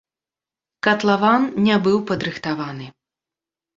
Катлаван не быў падрыхтаваны.